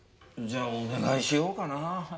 じゃあお願いしようかな。